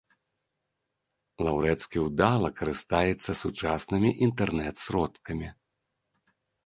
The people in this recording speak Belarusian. Лаўрэцкі ўдала карыстаецца сучаснымі інтэрнэт-сродкамі.